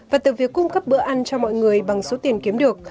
và từ việc cung cấp bữa ăn cho mọi người bằng số tiền kiếm được